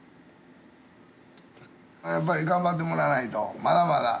やっぱり頑張ってもらわないとまだまだ。